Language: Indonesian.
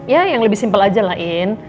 ya yang lebih simple aja lah in